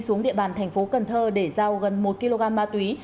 xuống địa bàn thành phố cần thơ để giao gần một kg ma túy